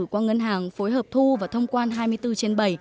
qua ngân hàng phối hợp thu và thông quan hai mươi bốn trên bảy